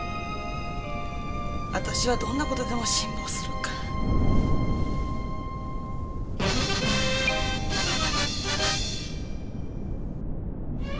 私はどんな事でも辛抱するから。